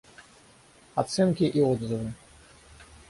Оценки и отзывы